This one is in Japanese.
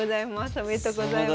おめでとうございます。